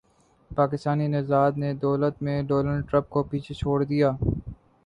پاکستانی نژاد نے دولت میں ڈونلڈ ٹرمپ کو پیچھے چھوڑ دیا